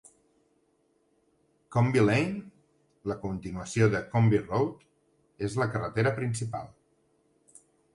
Coombe Lane, la continuació de Coombe Road, és la carretera principal.